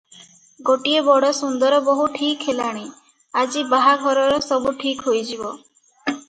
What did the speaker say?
ଗୋଟିଏ ବଡ଼ ସୁନ୍ଦର ବୋହୂ ଠିକ୍ ହେଲାଣି, ଆଜି ବାହାଘରର ସବୁ ଠିକ ହୋଇଯିବ ।"